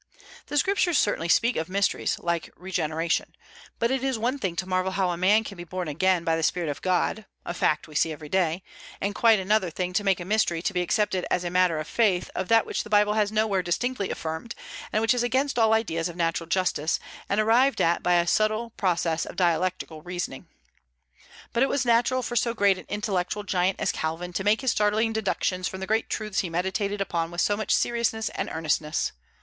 The Scriptures certainly speak of mysteries, like regeneration; but it is one thing to marvel how a man can be born again by the Spirit of God, a fact we see every day, and quite another thing to make a mystery to be accepted as a matter of faith of that which the Bible has nowhere distinctly affirmed, and which is against all ideas of natural justice, and arrived at by a subtle process of dialectical reasoning. But it was natural for so great an intellectual giant as Calvin to make his startling deductions from the great truths he meditated upon with so much seriousness and earnestness.